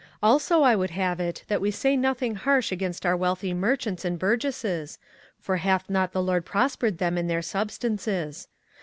Also I would have it that we say nothing harsh against our wealthy merchants and burgesses, for hath not the Lord prospered them in their substances.